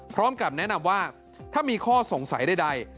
พร้อมกับแนะนำว่าถ้ามีข้อสงสัยใด